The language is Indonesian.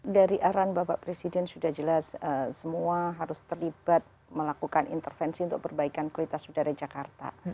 dari arahan bapak presiden sudah jelas semua harus terlibat melakukan intervensi untuk perbaikan kualitas udara jakarta